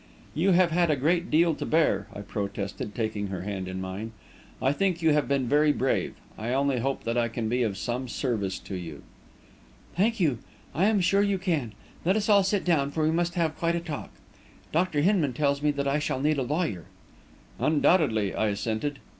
"You have had a great deal to bear," I protested, taking her hand in mine. "I think you have been very brave. I only hope that I can be of some service to you." "Thank you. I am sure you can. Let us all sit down, for we must have quite a talk. Dr. Hinman tells me that I shall need a lawyer." "Undoubtedly," I assented.